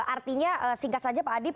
artinya singkat saja pak adib